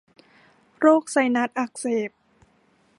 โรคไซนัสอักเสบ